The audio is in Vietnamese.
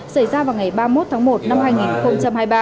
xảy ra vào ngày ba mươi một tháng một năm hai nghìn hai mươi ba